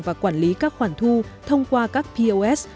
và quản lý các khoản thu thông qua các pos